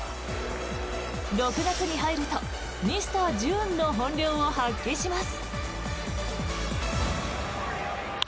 ６月に入るとミスター・ジューンの本領を発揮します。